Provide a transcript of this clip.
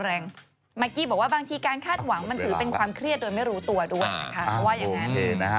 เมื่อกี้บอกว่าบางทีการคาดหวังมันถือเป็นความเครียดโดยไม่รู้ตัวด้วยค่ะ